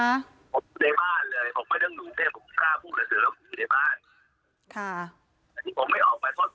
ผมอยู่ในบ้านเลยผมไม่ได้หนูเทพฯ